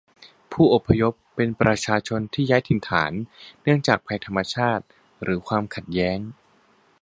ผู้อพยพเป็นประชาชนที่ย้ายถิ่นฐานเนื่องจากภัยทางธรรมชาติหรือความขัดแย้ง